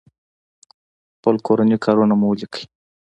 خپل کورني کارونه مو وليکئ!